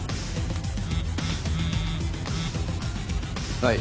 はい。